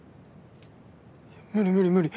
無理無理無理。